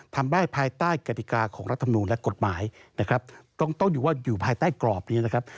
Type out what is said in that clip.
ทำได้ภายใต้กฎิกาของรัฐมนูลและกฎหมายนะครับต้องต้องอยู่ว่าอยู่ภายใต้กรอบนี้นะครับ